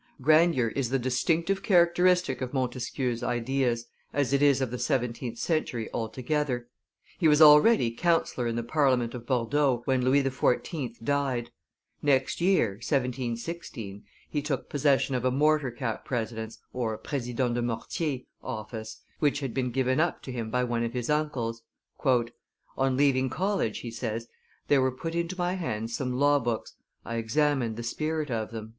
Grandeur is the distinctive characteristic of Montesquieu's ideas, as it is of the seventeenth century altogether. He was already councillor in the Parliament of Bordeaux when Louis XIV. died; next year (1716) he took possession of a mortar cap president's (president d mortier) office, which had been given up to him by one of his uncles. "On leaving college," he says, "there were put into my hands some law books; I examined the spirit of them."